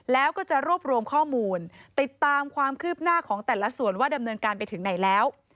แล้วก็จะรวบรวมข้อมูลติดตามความคืบหน้าของแต่ละส่วนว่าดำเนินการไปถึงไหนแล้ว